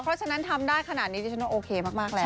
เพราะฉะนั้นทำได้ขนาดนี้ดิฉันว่าโอเคมากแล้ว